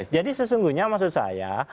jadi sesungguhnya maksud saya